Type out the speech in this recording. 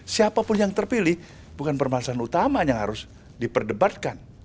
siapapun yang terpilih bukan permasalahan utama yang harus diperdebatkan